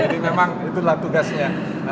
jadi memang itulah tugasnya